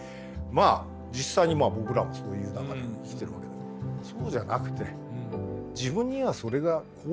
まあ実際に僕らもそういう中で生きてるわけだけどそうじゃなくて自分にはそれがこういう物語に見える。